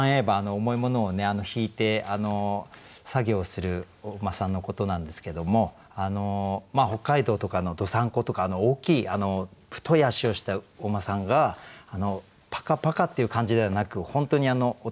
重いものを引いて作業をするお馬さんのことなんですけども北海道とかのどさんことか大きい太い脚をしたお馬さんがパカパカっていう感じではなく本当に男